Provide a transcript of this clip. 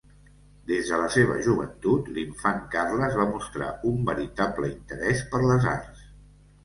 Des de la seva joventut, l'infant Carles va mostrar un veritable interès per les arts.